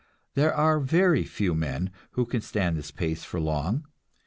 There are very few men who can stand this pace for long.